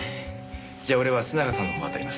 じゃあ俺は須永さんの方当たります。